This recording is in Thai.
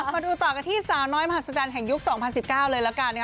มาดูต่อกันที่สาวน้อยมหัศจรรย์แห่งยุค๒๐๑๙เลยละกัน